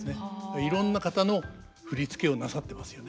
いろんな方の振り付けをなさってますよね。